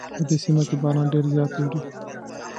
په دې سیمه کې باران ډېر زیات اوري